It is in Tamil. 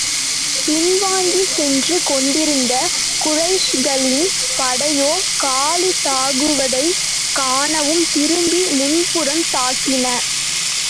பின்வாங்கிச் சென்று கொண்டிருந்த குறைஷிகளின் படையோ, காலித் தாக்குவதைக் காணவும் திரும்பி முன்புறம் தாக்கின.